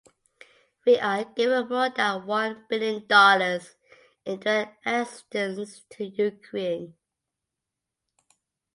We are giving more than one Billion dollars in direct assistance to Ukraine.